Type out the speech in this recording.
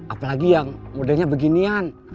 apalagi yang modelnya beginian